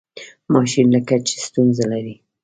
ماشین لکه چې ستونزه لري.